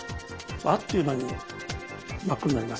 あっという間に真っ黒になりますね。